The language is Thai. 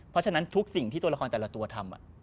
เพราะฉะนั้นทุกสิ่งที่ตัวละครแต่ละตัวทำ